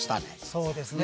そうですね。